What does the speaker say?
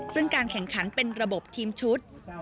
ซึ่งการแข่งขันเป็นระบบทีมชุด